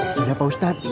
sudah pak ustad